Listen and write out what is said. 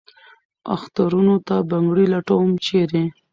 اخترونو ته بنګړي لټوم ، چېرې ؟